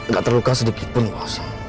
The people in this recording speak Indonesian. gak terluka sedikit pun kosong